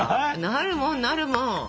なるもんなるもん。